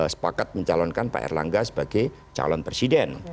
sepakat mencalonkan pak erlangga sebagai calon presiden